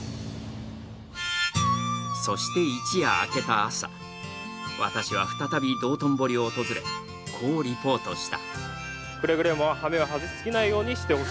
そして一夜明けた朝、私は再び道頓堀を訪れ、こうリポートした。